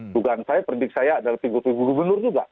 dugaan saya predik saya adalah figur figur gubernur juga